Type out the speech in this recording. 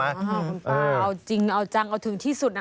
คุณป้าเอาจริงเอาจังเอาถึงที่สุดนะ